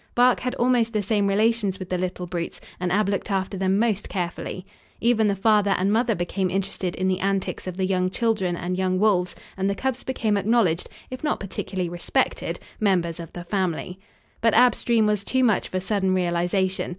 Bark had almost the same relations with the little brutes and Ab looked after them most carefully. Even the father and mother became interested in the antics of the young children and young wolves and the cubs became acknowledged, if not particularly respected, members of the family. But Ab's dream was too much for sudden realization.